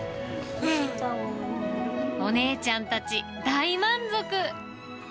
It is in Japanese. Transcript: お姉ちゃんたち、大満足。